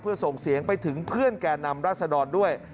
เพื่อส่งเสียงไปถึงเพื่อนแก่นำราศดรด้วย